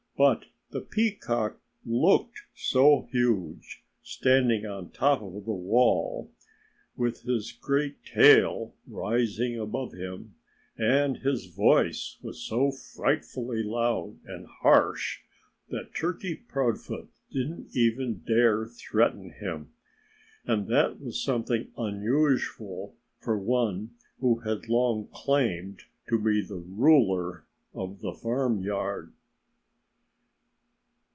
But the peacock looked so huge, standing on top of the wall with his great tail rising above him, and his voice was so frightfully loud and harsh, that Turkey Proudfoot didn't even dare threaten him. And that was something unusual for one who had long claimed to be ruler of the farmyard.